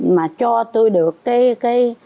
mà cho tôi được cái